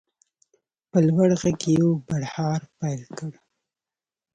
په لوړ غږ یې یو بړهار پیل کړ.